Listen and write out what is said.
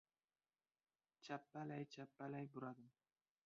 Chappalay-chappalay buradim.